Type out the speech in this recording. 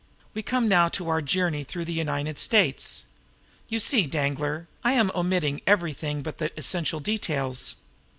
We come now to our journey through the United States you see, Danglar, that I am omitting everything but the essential details.